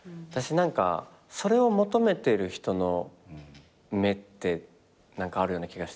何かそれを求めてる人の目ってあるような気がしてて。